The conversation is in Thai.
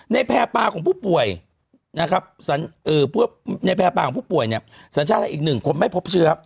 ในแพร่ปลาของผู้ป่วยสัญชาติอีก๑คนไม่พบเชื้อ